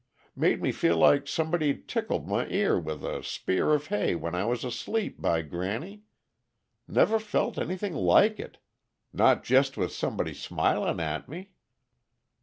_ Made me feel like somebody'd tickled m' ear with a spear of hay when I was asleep, by granny! Never felt anything like it not jest with somebody smilin' at me.